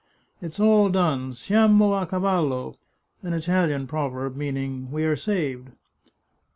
It's all done, siamo d, cavallo " (an Italian proverb, meaning " we are saved